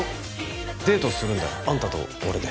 デートするんだよ。あんたと俺で。